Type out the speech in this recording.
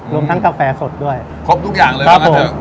รวมทั้งกาแฟสดด้วยครบทุกอย่างเลยบ้างก็เถอะครับผม